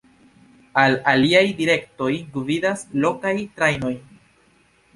Al aliaj direktoj gvidas lokaj trajnoj.